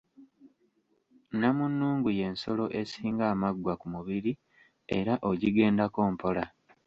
Nnamunnungu y’ensolo esinga amaggwa ku mubiri era ogigendako mpola.